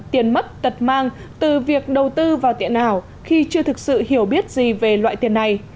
tiền mất tật mang từ việc đầu tư vào tiền ảo khi chưa thực sự hiểu biết gì về loại tiền này